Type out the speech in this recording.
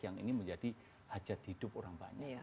yang ini menjadi hajat hidup orang banyak